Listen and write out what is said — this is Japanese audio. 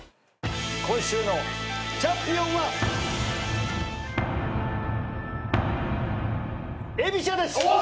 今週のチャンピオンは。えびしゃです！